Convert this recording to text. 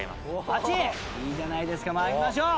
いいじゃないですか参りましょう。